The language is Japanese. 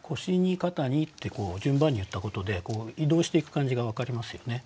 「肩に」って順番に言ったことで移動していく感じが分かりますよね。